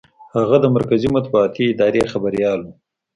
هغه د مرکزي مطبوعاتي ادارې خبریال و.